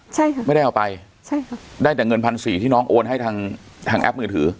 ใช่ค่ะไม่ได้เอาไปใช่ค่ะได้แต่เงินพันสี่ที่น้องโอนให้ทางทางแอปมือถือ